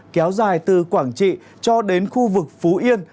kéo dài từ quảng trị cho đến khu vực phú yên